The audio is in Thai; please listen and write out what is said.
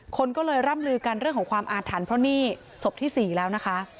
คนก็เลยร่ำลือกันเรื่องของความอาถรรพ์เพราะนี่ศพที่๔แล้วนะคะ